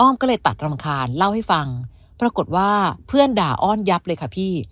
ก็เลยตัดรำคาญเล่าให้ฟังปรากฏว่าเพื่อนด่าอ้อนยับเลยค่ะพี่